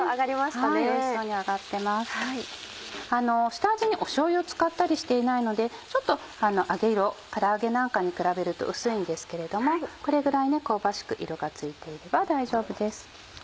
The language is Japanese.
下味にしょうゆを使ったりしていないのでちょっと揚げ色から揚げなんかに比べると薄いんですけれどもこれぐらい香ばしく色がついていれば大丈夫です。